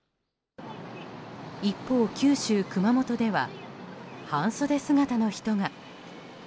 一方、九州、熊本では半袖姿の人が。